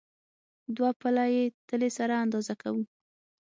دوه پله یي تلې سره اندازه کوو.